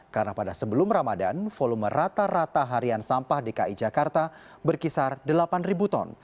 karena pada sebelum ramadan volume rata rata harian sampah dki jakarta berkisar delapan ribu ton